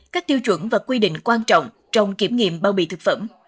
các tiêu chuẩn và quy định quan trọng trong kiểm nghiệm bao bì thực phẩm